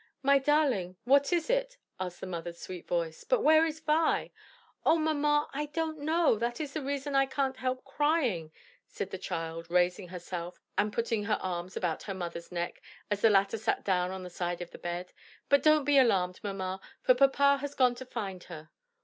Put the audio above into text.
"My darling, what is it?" asked the mother's sweet voice. "But where is Vi?" "O, mamma, I don't know; that is the reason I can't help crying," said the child, raising herself and putting her arms about her mother's neck, as the latter sat down on the side of the bed. "But don't be alarmed, mamma, for papa has gone to find her."